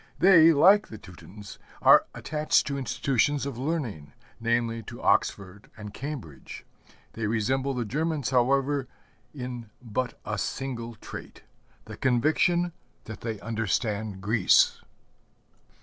They, like the Teutons, are attached to institutions of learning, namely, to Oxford and Cambridge. They resemble the Germans, however, in but a single trait the conviction that they understand Greece.